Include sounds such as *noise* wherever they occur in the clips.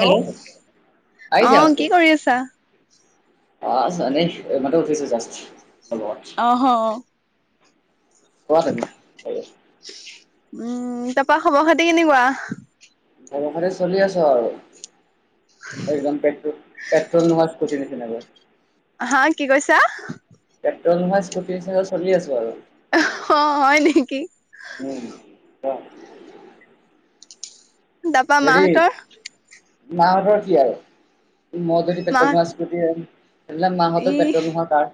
Hello অ আহিছে আৱাজটো কি কৰি আছা? *unintelligible* এইমাত্ৰ উঠিছে জাষ্ট অহ। কোৱা তুমি উম তাৰাপা খবৰ খাতি কেনেকুৱা? খবৰ খাতি চলি আছো আৰু একদম পেট পেট্ৰল নোহোৱা স্কুটিৰ নিচিনা কৈ। হা কি কৈছা? পেট্ৰল নোহোৱা স্কুটিৰ নিচিনাকৈ চলি আছো আৰু। অ' হয় নেকি। উম *unintelligible* তাৰপা হেৰি মাহঁতৰ মাহঁতৰ কি আৰু মই যদি মাহ পেট্ৰল নোহোৱা স্কুটি *unintelligible* ই মাহঁতো পেট্ৰ'ল নোহোৱা কাৰ।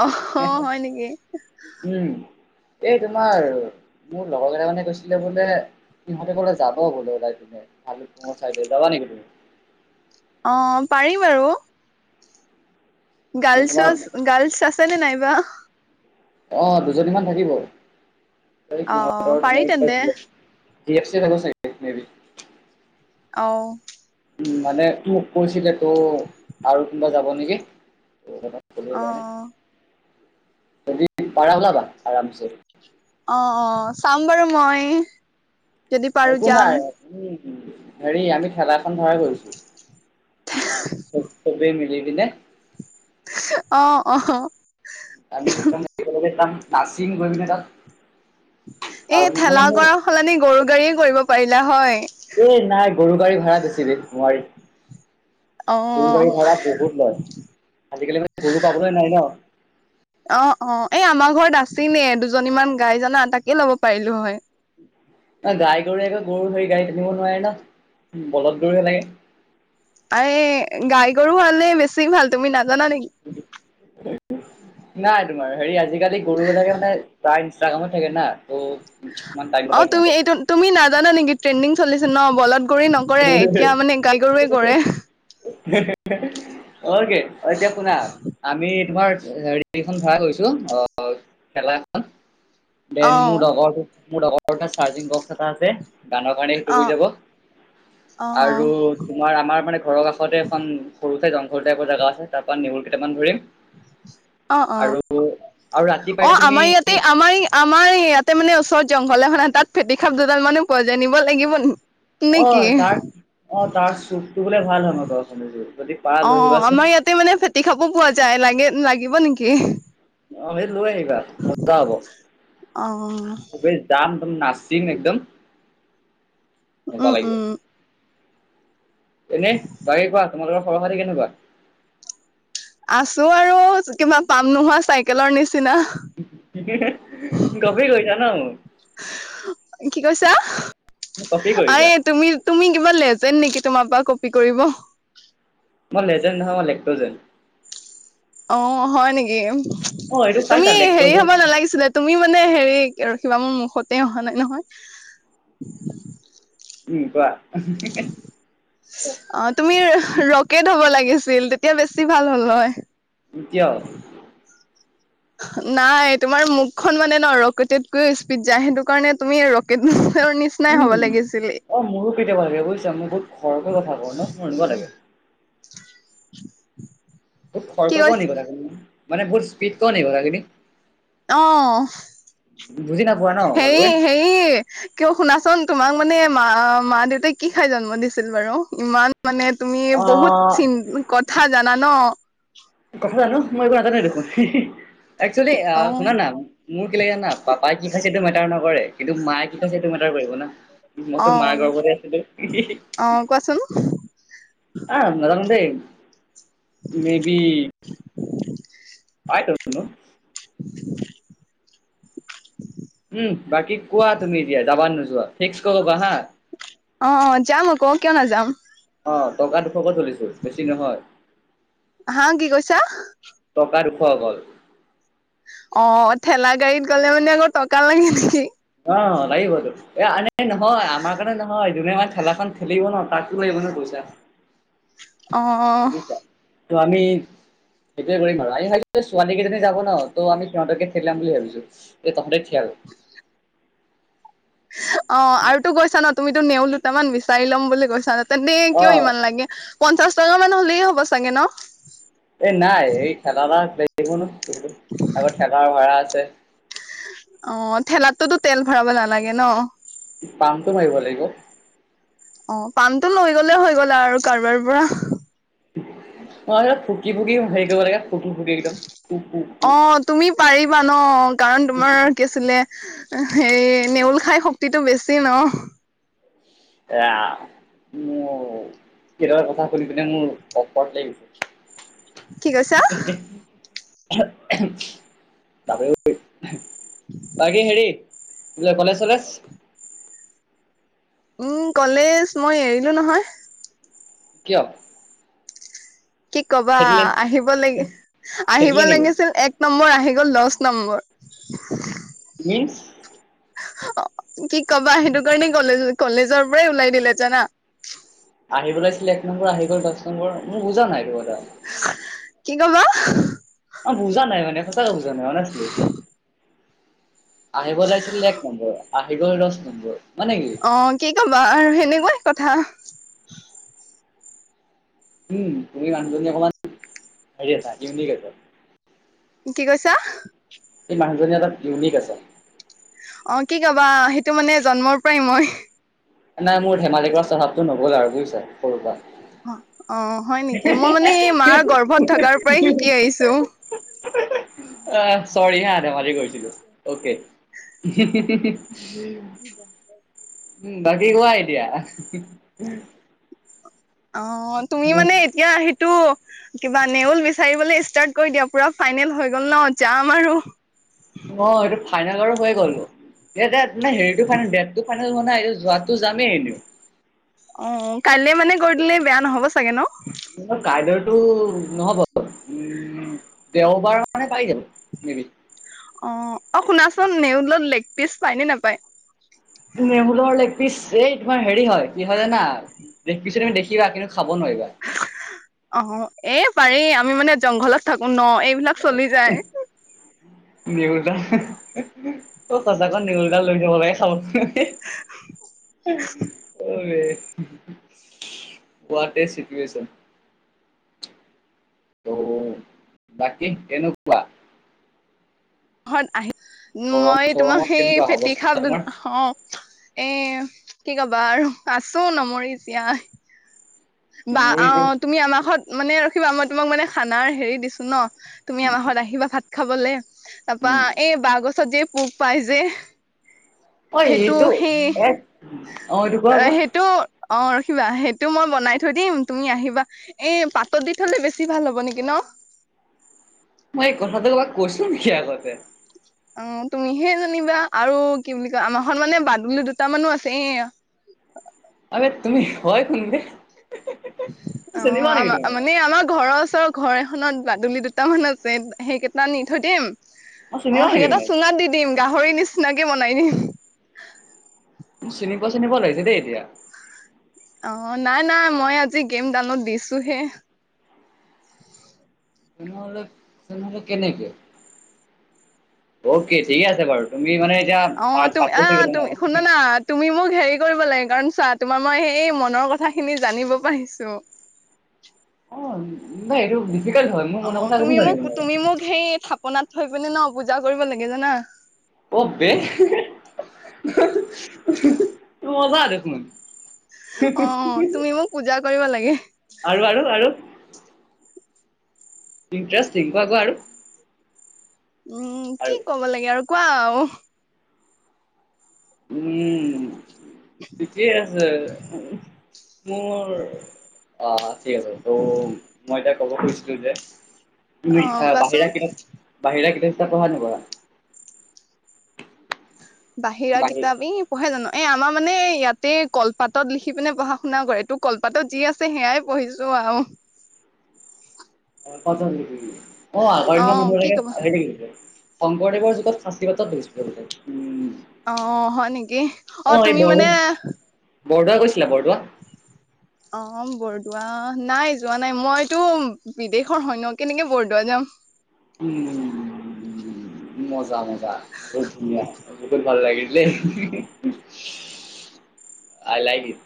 অ' হ হয় নেকি। উম এই তোমাৰ মোৰ লগৰ কেইটা মানে কৈছিলে বোলে সিহঁতে ক'লে যাব হ'ল তালি চাইড ল যাবা নেকি তুমি? অ' পাৰি বাৰু। নে গাৰ্লছো, তোমাৰ গাৰ্লছ আছে নে নাইবা? অ' দুজনীমান থাকিব অ সিহঁতৰ পাৰি তোমাৰ তেন্তে *unintelligible* জি এফ চি এফ আহিব চাগে মেইবি অ'। উম মানে মোক কৈছিলে তো আৰু কোনোবা যাব নেকি? অ যায় ন যদি পাৰা ওলাবা আৰামছে। অ', অ' চাম বাৰু মই। যদি পাৰো একো যাম নাই হেৰি আমি খেলা *unintelligible* কৰিছো চব চবেই মিলি পিনে। অ', অ'। *unintelligible* নাচিন গৈ পিনে তাত। আৰু এই মোৰ মানে ঠেলা মোৰ কৰা সলনি গৰু গাড়ীয়ে কৰিব পাৰিলা হয়। এ নাই গৰু গাড়ী ভাড়া বেছি দে নোৱাৰি। গৰু অ গাড়ী ভাড়া বহুত লয় আজিকালি মানে গৰু পাবলৈ নাই ন। অ', অ' এই আমাৰ ঘৰত আছিলে দুজনীমান গাই জানা তাকে ল'ব পাৰিলো হয়। গাই গৰুয়ে আকৌ গৰু হেৰি গাড়ী টানিব নোৱাৰে ন বলধ গৰুহে লাগে। এ গাই গৰু হ'লে বেছি ভাল তুমি নাজানা নেকি। নাই তোমাৰ হেৰি আজিকালি গৰুবিলাকে মানে তাই নি *unintelligible* থাকে না ত' ইমান টাইম নাপায় অ' তুমি সিহঁতে। এইটো তুমি নাজানা নেকি ট্ৰেণ্ডিং চলিছে ন বলত গৰুয়ে ন কৰে এতিয়া মানে গাই গৰুৱে কৰে। *unintelligible* অ' কি অ' এতিয়া শুনা আমি তোমাৰ হেৰিখন ভড়া কৰিছো অ'। ঠেলা এখন। অ দেন মোৰ লগৰ মোৰ লগৰৰ চাৰ্জিং বক্স এটা আছে গানৰ কাৰণে অ সেইটো হৈ যাব। অ আৰু তোমাৰ আমাৰ মানে- ঘৰৰ কাষতে এখন সৰু ঠাই জংঘল টাইপ জাগা আছে তাৰ পৰা নেহুৰ কেইটামান ধৰিম। আৰু- আৰু ৰাতি পাই অঁ তুমি আমাৰ ইয়াতে আমাৰ - আমাৰ ইয়াতে মানে ওচৰত জংঘল এখনত তাত ফেটি খাপ দুডাল মানো পোৱা যায়, নিব লাগিব নেকি। অঁ তাৰ, অঁ তাৰ চুপটো বোলে ভাল হয় ন ঘৰখনে যদি- পাৰা অঁ, লৈ অঁ আহিবাচোন। আমাৰ ইয়াতে মানে ফেটি সাপো পোৱা যায়, লাগে লাগিব নেকি? অঁ সেইটো লৈ আহিবা মজা হব। অ যাম নাচিম একদম মজা উম লাগিব। উম এনে বাকী কোৱা তোমালোকৰ খৱৰ খাতি কেনেকুৱা? আছো আৰু কিবা পাম নোহোৱা চাইকেলৰ নিচিনা। কপ কৈছা ন মোক। কি কৈছা? মোক কপি কৰিছা। আৰে- তুমি তুমি কিবা লেজেণ্ড নেকি তোমাৰ পৰা কপি কৰিব। মই লেজেণ্ড নহয়, মই লেক্টজেন। অঁ হয় নেকি, অ', এইটো তুমি খাইছা হেৰি লেক্টজেন হব নালাগিছিলে- তুমি মানে হেৰি ৰখিবা মোৰ মুখতে অহা নাই নহয়। উম কোৱা? অঁ তুমি ৰকেট হব লাগিছিল তেতিয়া বেছি ভাল হ'ল হয়। কিন্তু কিয়? নাই তোমাৰ মুখখন মানে ন ৰকেটতকৈও স্পীড যায় সেইটো কাৰণে তুমি ৰকেট নিচি- নাই হ'ব লাগিছিলে। অঁ মোৰো কেতিয়াবা লাগে বুজিছা, মই বহুত খৰকৈ কথা কওঁ ন মোৰ এনেকুৱা লাগে। বহুত কি খৰকৈ কওঁ কৈছ নি কথাখিনি মানে বহুত স্পীড কও‌ঁ নি কথাখিনি। অঁ। বুজি নাই পোৱা ন ভালকৈ। এ কিয় শুনাচোন তোমাক মানে মা মা দেউতাই কি খাই জন্ম দিছিল বাৰু ইমান- মানে তুমি বহুত অ' চি কথা জানা ন। কথা জানো! মই একো নাজানোৱে দেখোন, একচুৱেলি অ আহ শুনা না- মোৰ কি লাগে না পাপাই কি খাইছে এইটো মেটাৰ নকৰে কিন্তু মায়ে কি খাইছে এইটো মেটাৰ কৰিব না। অ মইতো মা গৰ্ভৱতে আছিলোঁ। অ কোৱাচোন আহ নাজানো দে তুমি- *inaudible* *unintelligible* *inaudible* উম বাকী কোৱা তুমি এতিয়া যাবা নোযোৱা, ফিক্স- ক'বা হা। অঁ যাম আকৌ কিয় নাযাম। আহ টকা দুশকে ধৰিছো বেছি নহয়। হা কি কৈছা টকা দুশ অকল। অঁ ঠেলা গাড়ীত গ'লে মানে আকৌ টকা লাগে নেকি। অঁ লাগিব তো। এ আনে নহয় আমাৰ কাৰণে নহয়, যোনে মানে ঠেলাখন ঠেলিব ন তাকো লাগিব ন পইছা। অঁ, অঁ। ত আমি- সেইটোৱে কৰিম আৰু আমি ভাবিছো যে ছোৱালী কেইজনী যাব ন' ত ' আমি সিহঁতকে খেদিয়াম বুলি ভাবিছো। এই তহঁতে ঠি আৰু অঁ, আৰুটো গৈছা ন' তুমিতো নেওঁল দুটামান বিচাৰি ল'ম বুলি কৈছা ন, তেন্তে অ কিয় ইমান লাগে? পঞ্চাশ টকা মান হলেই হ'ব চাগে ন? এই নাই এই চাদা ধৱা প্লেট কেইখনো *unintelligible* মোৰ ঠেলাৰ ভাড়া আছে, অঁ, ঠেলাতটোতো তেল ভৰাব নালাগে ন? পামটো মাৰিব লাগিব। অঁ, পামটো লৈ গ'লে হৈ গ'ল আৰু কাৰোবাৰ পৰা। অঁ সেইটো ফুকি ফুকি হেৰি কৰিব লাগে, ফুকি ফুকি একদম পুুক পুক অঁ তুমি পাৰিবা ন' কাৰণ তোমাৰ কি আছিলে এ হেই নেউল খাই শক্তিতটো বেছি ন। এ আ মোৰ কেইনটামান কথা শুনি পিনে মোৰ অকৱাত লাগ গৈছে। কি কৈছা *inaudible* *unintelligible* বাকী হেৰি বোলে কলেজ চলেজ? উম কলেজ মই এৰিলো নহয়! কিয়? কি কবা খেদিলে আহিব লাগি আহিব খেদিলে নেকি লাগিছিল এক নম্বৰ আহি গ'ল দচ নম্বৰ। *unintelligible* মিঞ্ছ? অঁ, কি কবা সেইটো কাৰণে কলেজ কলেজৰ পৰাই ওলাই দিলে জানা? আহিব লাগিছিলে এক নম্বৰ আহি গ'ল দহ নম্বৰ। মোৰ বুজা নাই এইটো কথা। *unintelligible* কি কবা? অঁ, বুজা নাই মানে সঁচা কে বুজা নাই মানে, অনেচলি আহিব লাগিছিল এক নম্বৰ, আহি গ'ল দচ নম্বৰ মানে কি অঁ, কি কবা আৰু হেনেকুৱাই কথা। উম তুমি মানুহজনী অকমান হেৰি আছা ইউনিক আছা। কি কৈছা? এই মানুজনী ঞলপ ইউনিক আছা অঁ, কি কবা সেইটো মানে জন্মৰ পৰাই মই, নাই মোৰ ধেমালি কৰা স্বভাৱটো নগ'ল আৰু বুজিছা সৰুৰ পৰা, অঁ, অঁ হয় নেকি? মই মানে এই মাৰ গৰ্ভত থকাৰ পৰাই শিকি আহিছো। *unintelligible* আহ চৰি হা ধেমালি কৰিছিলো অ কে, *unintelligible* *unintelligible* উম বাকী কোৱা এতিয়া? *unintelligible* অঁ, তুমি মানে এতিয়া সেইটো কিবা নেউল বিচাৰিবলে ষ্টাৰ্ট কৰি দিয়া পুৰা ফাইনেল হৈ গ'ল ন যাম আৰু অঁ, এইটো ফাইনেল আৰু হৈ গ'ল দে দে হেৰিটো ফাইনেল দেত টো ফাইনেল হোৱা নাই, যোৱাতো যামেই এনেও উম, কাইলে মানে গৈ দিলে বেয়া নহ'ব চাগে ন, কাই লৈ টো নহ'ব, উম। উম, দেওবাৰ মানে পাই যাব। উম অঁ, অঁ, শুনাচোন নেউলত লেগ পিচ পায় নে নেপায়? নেউলৰ লেগ পিছ এই তোমাৰ হেৰি হয় কি হয় জানা? লেগ পিছ তুমি দেখিবা! কিন্তু, খাব নোৱাৰিবা? অঁ, এই পাৰি আমি মানে জংঘলত থাকো ন এইবিলাক চলি যায়! নেওল এটা অ সঁচাকৈ নেউলডাল লৈ যব লাগে খাবলে *unintelligible* আৰে পুৱাতে চিটুুৱেশচন ত' বাকী কেনেকুৱা? ঘৰত আহি গৰম মই তোমাৰ চৰমত সেই কেনেকুৱা পেটি অৱস্থা সাপ তোমাৰ? অ এ কি কবা আৰু আছোঁ নমৰি জীয়াই বা মেমৰি অ যে তুমি আমাক ঘত মানে ৰখিবা মই তোমাক মানে খানাৰ হেৰি দিছোঁ ন। তুমি আমাৰ ঘৰত আহিবা ভাত খাবলৈ। তাৰপা উম, এই বাঁহ গছত যে পোক পাই যে অ' সেইটো এইটো সেই এক অ' এইটো কোৱা কোৱা সেইটো অ ৰখিবা সেইটো মই বনাই থৈ দিম, তুমি আহিবা এই পাতত দি থলে বেছি ভাল হ'ব নেকি ন? মই এই কথাটো কবাক কৈছো নেকি আগতে অঁ, তুমিহে জানিবা আৰু কি বুলি কয় আমাৰ ঘৰত মানে বাদুলী দুটা মানো আছে এ, ‌ আৰে তুমি হয় কোন বে? হি, হি অঁ, আঁ, আমাৰ মানে আমাৰ ঘৰৰ ওচৰ, ঘৰ এখনত বাদুলি দুটামান আছে সেই কেইটা নি থৈ দিম মই চিনি অ পাওঁ নেকি সেইকেইটা তোমাক? চুঙাত দি দিম গাহৰি নিচিনাকে বনাই দিম। চিনি চিনিপোৱা নিছিনা লাগিছে দেই এতিয়া। অ নাই নাই মই আজি গেম ডাউনলড দিছোঁহে। মই বোলো কেনেকে অকে ঠিকে আছে বাৰু। তুমি মানে এতিয়া অ পাত তুমি পাতো আহ ছিঙিবা ন তুমি শুনা না তুমি মোক হেৰি কৰিব লাগে কাৰণ চোৱা তোমাৰ মই সেই মনৰ কথা খিনি জানিব পাৰিছোঁ। অই অ তুমি জানে মোক তোমাৰ? তুমি মোক সেই থাপনাত থৈ পিনে ন পূজা কৰিব লাগে জানা। অ বে মজা দেখোন। অ তুমি মোক পূজা কৰিব লাগে। আৰু আৰু আৰু ইণ্টাৰেষ্টিঙ কোৱা কোৱা উম আৰু কি কব লাগে আৰু কোৱা অ উম ঠিকেই আছে। মোৰ অ ঠিক আছে ত' মই এতিয়া ক'ব খুজিছিলোঁ যে তুমি অ কোৱাচোন বাহিৰা কিতাপ বাহিৰা কিতাপ চিতাপ পঢ়া নপঢ়া? বাহিৰা বাহিৰ কিতাপ এই পঢ়ে জানো এ আমাৰ মানে ইয়াতে কলপাতত লিখি পিনে পঢ়া শুনা কৰে তোৰ কলপাতত যি আছে সেয়াই পঢ়িছো আৰু *unintelligible* শংকৰদেৱৰ অ কি যুগত কবা সাঁচি পাতত পঢ়িছিলে বোলে উম অ হয় নেকি অ এই তুমি মানে বৰদোৱা বৰদোৱা গৈছিলা বৰদোৱা অ বৰদোৱা নাই যোৱা নাই মইতো বিদেশৰ হয় ন্ কেনেকে বৰদোৱা যাম উ উ মজা। বহুত ধুনীয়া বহুত ভাল লাগিলে। আই লাইক ইউ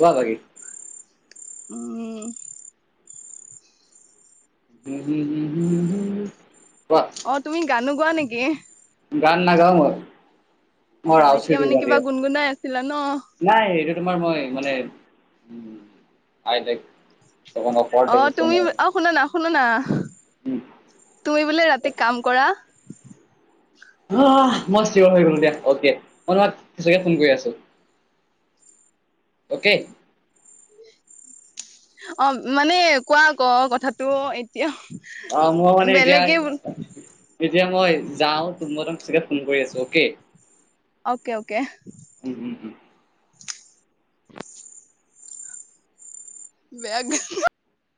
কোৱা বাগি উম *unintelligible* কোৱা অ তুমি গানো গোৱা নেকি গান নাগাওঁ মই অ মই ৰাউচি এতিয়া মানে দুৰ্গা কিবা দিয়া গুণগুণাই আছিলা ন নাই এইটো তোমাৰ মই মানে উ অ তুমি অ শুনা না শুনা না উম। তুমি বোলে ৰাতি কাম কৰা অ মই চিয়ৰ হৈ গলো দিয়া অকে মই তোমাক সচাকে ফোন কৰি আছো অকে অ মানে কোৱা আকৌ কথাটো এতিয়া অ ম মানে এতিয়া বেলেগে এতিয়া মই যাও তোমাক চাগে ফোন কৰি আছো অকে অকে অকে উম উম উম বেগ